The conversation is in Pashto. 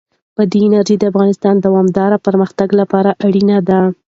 بادي انرژي د افغانستان د دوامداره پرمختګ لپاره اړین دي.